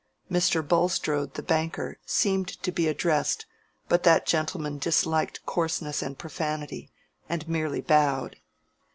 Mr. Bulstrode, the banker, seemed to be addressed, but that gentleman disliked coarseness and profanity, and merely bowed.